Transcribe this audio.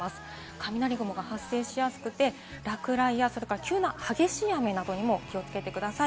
雷雲が発生しやすくて、落雷や、それから急な激しい雨などにも気をつけてください。